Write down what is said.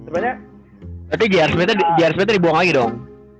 berarti jr smithnya dibuang lagi dong